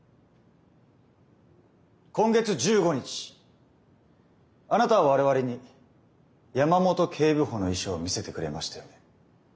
今月１５日あなたは我々に山本警部補の遺書を見せてくれましたよね。